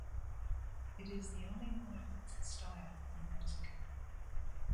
It is the only one of its style in Mexico.